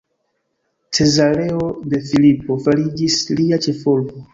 Cezareo de Filipo fariĝis lia ĉefurbo.